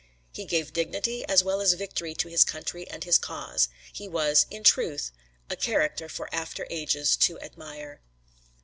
He gave dignity as well as victory to his country and his cause. He was, in truth, a "character for after ages to admire."